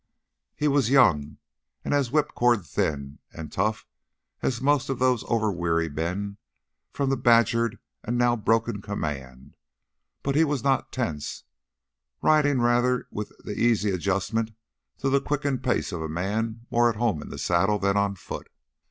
He was young and as whipcord thin and tough as most of those over weary men from the badgered and now broken command, but he was not tense, riding rather with the easy adjustment to the quickened pace of a man more at home in the saddle than on foot.